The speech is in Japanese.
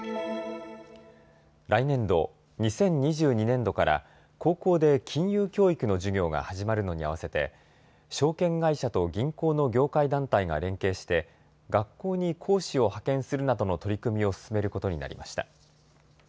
来年度２０２２年度から高校で金融教育の授業が始まるのに合わせて証券会社と銀行の業界団体が連携して学校に講師を派遣するなどの取り組みを進めることになりました。